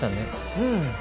うん。